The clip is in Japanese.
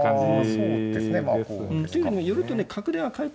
そうですね。